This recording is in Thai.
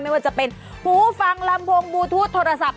ไม่ว่าจะเป็นหูฟังลำโพงบูทูธโทรศัพท์